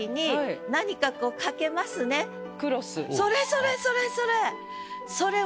それそれそれそれ。